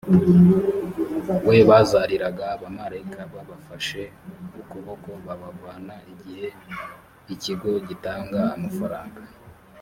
we bazariraga abamarayika babafashe ukuboko babavana igihe ikigo bitanga amafaranga